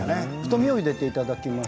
太めを入れていただきます。